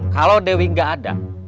kalau dewi nggak ada